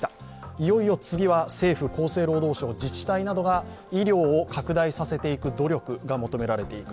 いよいよ次は政府、厚生労働省、自治体などが医療を拡大させていく努力が求められていく。